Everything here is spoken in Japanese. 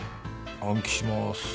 暗記します。